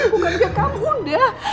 bukan juga kamu udah